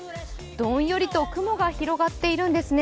どんよりと雲が広がっているんですね。